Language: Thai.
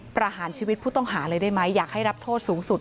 ประหารชีวิตผู้ต้องหาเลยได้ไหมอยากให้รับโทษสูงสุด